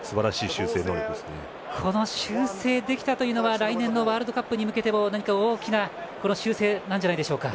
修正できたというのは来年のワールドカップに向けて何か大きな修正じゃないでしょうか。